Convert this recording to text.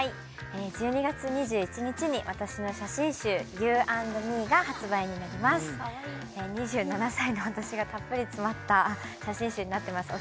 １２月２１日に私の写真集「ＹｏｕａｎｄＭｅ」が発売になります２７歳の私がたっぷり詰まった写真集になってます